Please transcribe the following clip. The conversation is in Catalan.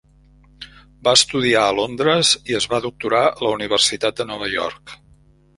Va estudiar a Londres i es va doctorar a la Universitat de Nova York.